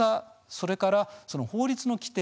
それから法律の規定